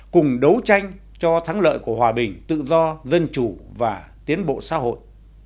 cùng đấu tranh cho thắng lợi của hòa bình tự do dân chủ và tiến bộ xã hội